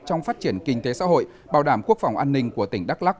trong phát triển kinh tế xã hội bảo đảm quốc phòng an ninh của tỉnh đắk lắc